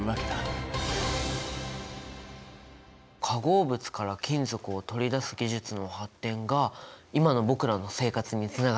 化合物から金属を取り出す技術の発展が今の僕らの生活につながってるんだね。